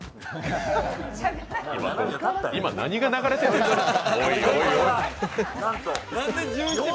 今、何が流れてるんですか。